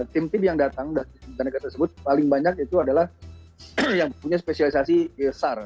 tim tim yang datang dari negara tersebut paling banyak itu adalah yang punya spesialisasi sar